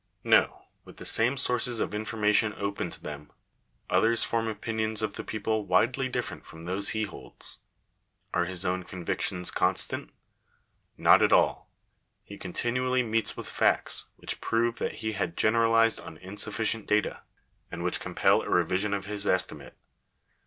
No: with the same sources of information open to them, others form opinions of the people widely different from those he holds. Are his own convictions constant ? Not at all : he continually meets with facts which prove that he had generalized on insufficient data ; and which compel a revision of his estimate.